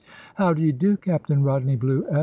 "How do you do, Captain Rodney Bluett?"